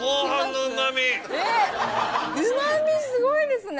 うまみすごいですね。